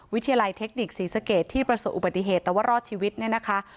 วิทยาลัยเทคนิคศรีสะเกดที่ประสบอุบัติเหตุแต่ว่ารอดชีวิตเนี่ยนะคะ